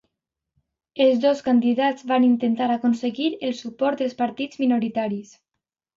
Els dos candidats van intentar aconseguir el suport dels partits minoritaris.